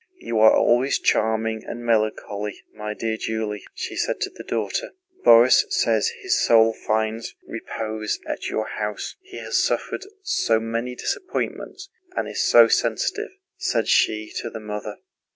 "You are always charming and melancholy, my dear Julie," she said to the daughter. "Borís says his soul finds repose at your house. He has suffered so many disappointments and is so sensitive," said she to the mother.